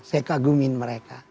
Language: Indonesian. saya kagumin mereka